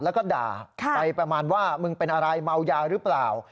แล้วก็ด่าไปประมาณว่ามึงเป็นอะไรเมายาหรือเปล่า